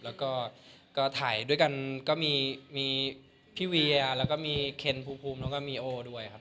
แล้วก็ถ่ายด้วยกันก็มีพี่เวียแล้วก็มีเคนภูมิแล้วก็มีโอด้วยครับ